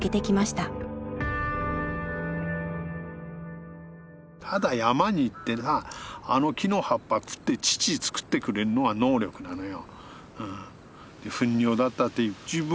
ただ山に行ってなあの木の葉っぱ食って乳作ってくれるのが能力なのよ。